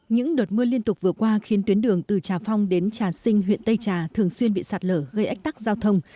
những đợt mưa liên tục vừa qua khiến tuyến đường từ trà phong đến trà sinh huyện tây trà thường xuyên bị sạt lở gây ách tắc giao thông